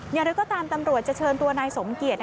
อย่างไรก็ตามตำรวจจะเชิญตัวนายสมเกียจ